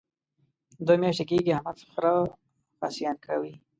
دوه میاشتې کېږي احمد خره خصیان کوي.